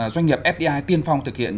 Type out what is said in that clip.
doanh nghiệp fdi tiên phong thực hiện